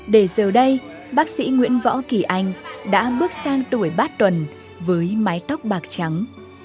để giờ đây bác sĩ nguyễn võ kỳ anh đã bước sang tuổi bát tuần với mái tóc bạc trắng